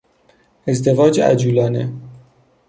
ازدواج عجولانه